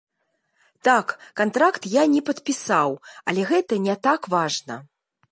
Так, кантракт я не падпісаў, але гэта не так важна.